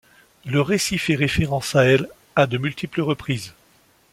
Le récit fait référence à elle à de multiples reprises.